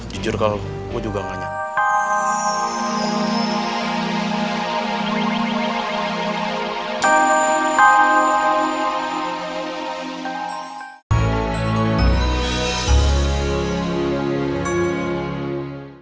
jujur kalau gue juga gak nyanyi